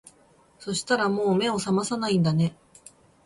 そしたらもう目を覚まさないんだね